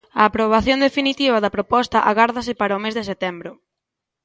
A aprobación definitiva da proposta agárdase para o mes de setembro.